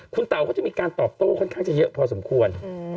คุณเต๋าเขาจะมีการตอบโต้ค่อนข้างจะเยอะพอสมควร